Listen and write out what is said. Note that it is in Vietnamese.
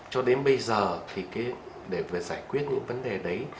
cho đến bây giờ thì để vừa giải quyết những vấn đề đấy